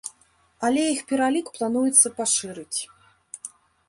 Але іх пералік плануецца пашырыць.